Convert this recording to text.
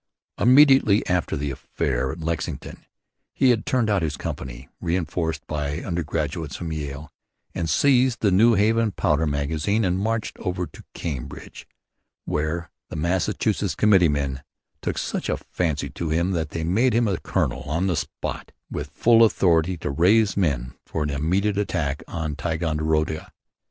Immediately after the affair at Lexington he had turned out his company, reinforced by undergraduates from Yale, had seized the New Haven powder magazine and marched over to Cambridge, where the Massachusetts Committeemen took such a fancy to him that they made him a colonel on the spot, with full authority to raise men for an immediate attack on Ticonderoga.